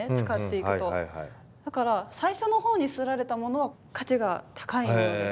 だから最初のほうに摺られたものは価値が高いものです。